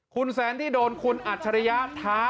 คุณแซนที่โดนคุณอัจฉริยะท้า